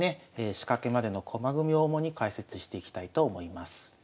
仕掛けまでの駒組みを主に解説していきたいと思います。